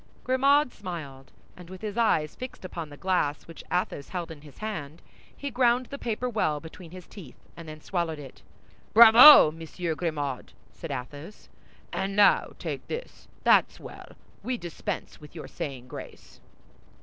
Grimaud smiled; and with his eyes fixed upon the glass which Athos held in his hand, he ground the paper well between his teeth and then swallowed it. "Bravo, Monsieur Grimaud!" said Athos; "and now take this. That's well. We dispense with your saying grace."